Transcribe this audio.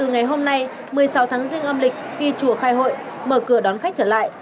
ngày hôm nay một mươi sáu tháng riêng âm lịch khi chùa khai hội mở cửa đón khách trở lại